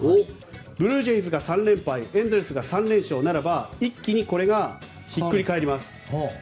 ブルージェイズが３連敗エンゼルスが３連勝ならば一気にこれがひっくり返ります。